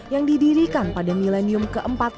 yang didirikan pada milenium keempat